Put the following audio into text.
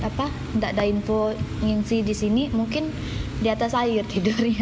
kalau dia tidak ada info mengungsi di sini mungkin di atas air tidurnya